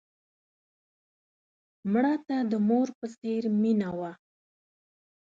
مړه ته د مور په څېر مینه وه